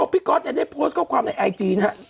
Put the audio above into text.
พี่ก๊อตจะได้โพสต์ข้อความในไอจีนะฮะ